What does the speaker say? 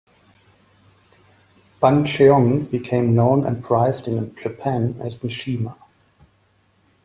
"Buncheong" became known and prized in Japan as Mishima.